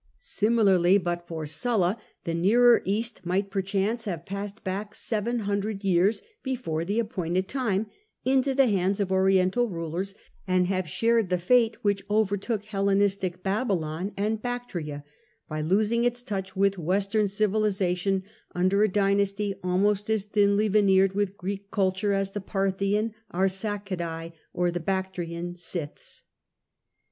Similarly, but for Sulla the Nearer East might perchance have passed back, seven hundred years before the appointed time, into the hands of Oriental rulers, and have shared the fate which overtook Hellenistic Babylon and Bactria, by losing its touch with Western civilisation under a dynasty almost as thinly veneered with Greek culture as the Parthian Arsacid^ or the Bactrian Scyths.